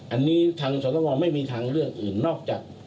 อันนี้ทางสวรรค์ต้องมองไม่มีทางเลือกอื่นนอกจาก